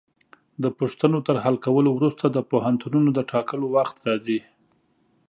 د پوښتنو تر حل کولو وروسته د پوهنتونونو د ټاکلو وخت راځي.